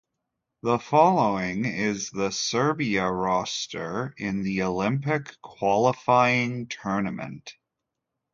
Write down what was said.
The following is the Serbia roster in the Olympic Qualifying Tournament.